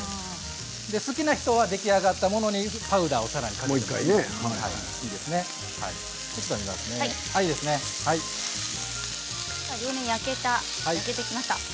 好きな方は出来上がったものにまたパウダーを両面、焼けましたね。